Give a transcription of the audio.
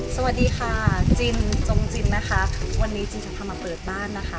สวัสดีค่ะจิมจงจิมนะคะวันนี้จินจะพามาเปิดบ้านนะคะ